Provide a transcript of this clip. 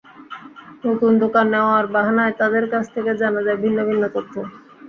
নতুন দোকান নেওয়ার বাহানায় তাঁদের কাছ থেকে জানা যায় ভিন্ন ভিন্ন তথ্য।